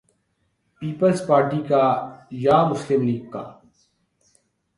Peoples Party کا یا مسلم لیگ کا؟